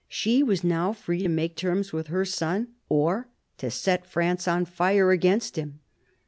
She ,was now free to make terms with her son or to set France on fire against him.